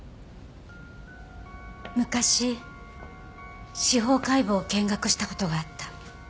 昔司法解剖を見学した事があった。